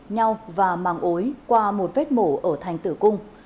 nhau và màng ối qua một vết mổ ở thành tử cung